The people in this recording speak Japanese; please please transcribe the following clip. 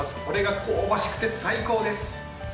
これが香ばしくて最高です。